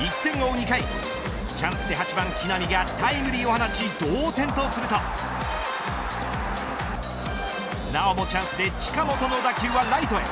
２回チャンスで８番、木浪がタイムリーを放ち同点とするとなおもチャンスで近本の打球はライトへ。